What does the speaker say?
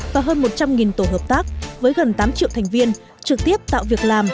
và hơn một trăm linh tổ hợp tác với gần tám triệu thành viên trực tiếp tạo việc làm